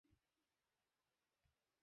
তিনি 'সিদ্ধি' নামক একটি গ্রন্থ রচনা করেন।